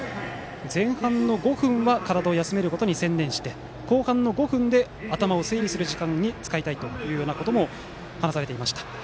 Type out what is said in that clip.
前半の５分は体を休めることに専念して、後半の５分で頭を整理する時間に使いたいと話されていました。